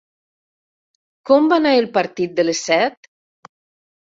Com va anar el partit de les set?